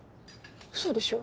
嘘でしょ？